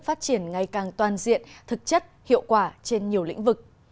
phát triển ngày càng toàn diện thực chất hiệu quả trên nhiều lĩnh vực